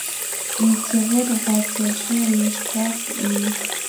Микивыр вате эше лишкырак мийыш.